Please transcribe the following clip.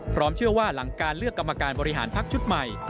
เชื่อว่าหลังการเลือกกรรมการบริหารพักชุดใหม่